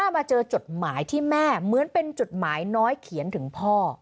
มาเจอจดหมายที่แม่เหมือนเป็นจดหมายน้อยเขียนถึงพ่อ